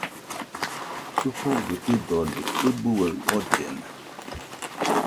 ɨfogɨ sɨdode ɨbuaɨ ollena